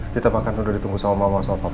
kita makan udah ditunggu sama mama sama papa